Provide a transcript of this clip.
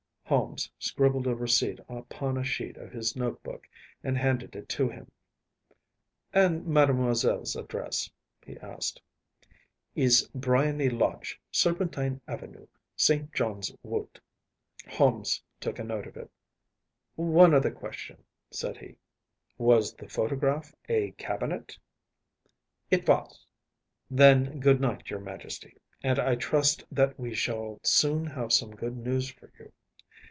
Holmes scribbled a receipt upon a sheet of his note book and handed it to him. “And Mademoiselle’s address?‚ÄĚ he asked. “Is Briony Lodge, Serpentine Avenue, St. John’s Wood.‚ÄĚ Holmes took a note of it. “One other question,‚ÄĚ said he. “Was the photograph a cabinet?‚ÄĚ “It was.‚ÄĚ “Then, good night, your Majesty, and I trust that we shall soon have some good news for you.